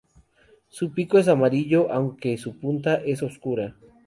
Su pico es amarillo aunque su punta es oscura.